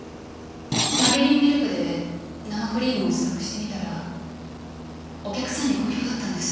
マリリンミルクで生クリームを試作してみたらお客さんに好評だったんです。